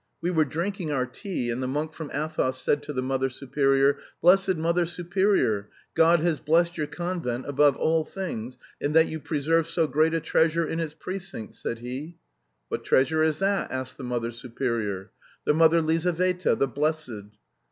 We were drinking our tea, and the monk from Athos said to the Mother Superior, 'Blessed Mother Superior, God has blessed your convent above all things in that you preserve so great a treasure in its precincts,' said he. 'What treasure is that?' asked the Mother Superior. 'The Mother Lizaveta, the Blessed.'